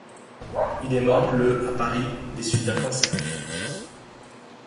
Il est mort le à Paris, des suites d'un cancer.